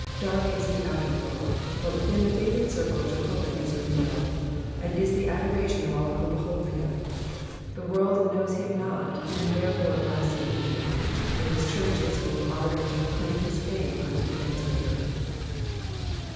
Dark is the outer world, but within the favoured circle Jehovah is revealed, and is the adoration of all who behold him. The world knows him Digitized by VjOOQIC PSALM THE SEVENTY SIXTH. 401 not and therefore blasphemes hinif but his church is full of ardour to proclaim his fame unto the ends of the earth.